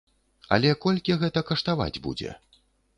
Але колькі гэта каштаваць будзе!?